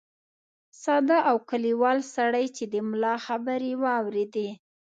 ساده او کلیوال سړي چې د ملا خبرې واورېدې.